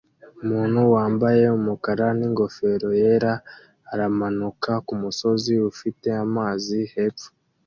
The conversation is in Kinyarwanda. Umuntu wambaye umukara n'ingofero yera aramanuka kumusozi ufite amazi hepfo